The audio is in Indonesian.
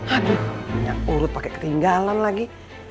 aduh banyak urut pakai ketinggalan lagi